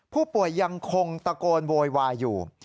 ผู้ป่วยยังคงตะโกนโวยวายอยู่